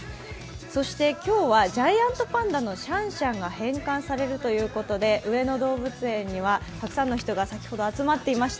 そして今日はジャイアントパンダのシャンシャンが返還されるということで上野動物園にはたくさんの人が先ほど集まっていました。